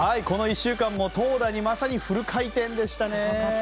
この１週間も投打にまさにフル回転でしたね。